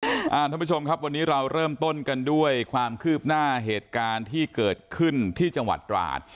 ท่านผู้ชมครับวันนี้เราเริ่มต้นกันด้วยความคืบหน้าเหตุการณ์ที่เกิดขึ้นที่จังหวัดตราด